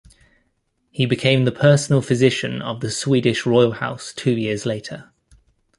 He became the personal physician of the Swedish royal house two years later.